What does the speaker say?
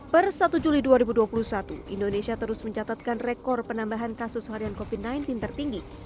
per satu juli dua ribu dua puluh satu indonesia terus mencatatkan rekor penambahan kasus harian covid sembilan belas tertinggi